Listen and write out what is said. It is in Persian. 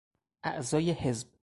اعضای حزب